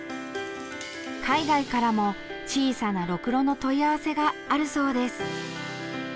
海外からも、小さなろくろの問い合わせがあるそうです。